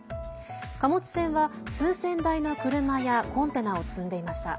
貨物船は、数千台の車やコンテナを積んでいました。